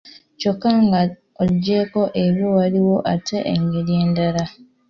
Kyokka nga oggyeeko ebyo waliwo ate engeri endala